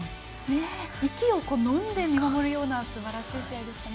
息をのんで見守るようなすばらしい試合でしたね。